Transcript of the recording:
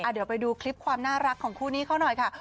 เดี๋ยวไปดูคลิปความน่ารักของคู่นี้เขาหน่อยค่ะ